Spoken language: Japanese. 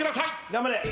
頑張れ。